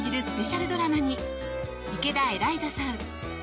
スペシャルドラマに池田エライザさん